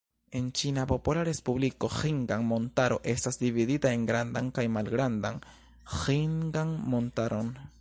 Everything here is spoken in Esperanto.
En Ĉina Popola Respubliko, Ĥingan-Montaro estas dividita en Grandan kaj Malgrandan Ĥingan-Montaron.